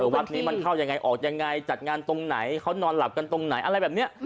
วัดนี้มันเข้ายังไงออกยังไงจัดงานตรงไหนเขานอนหลับกันตรงไหนอะไรแบบนี้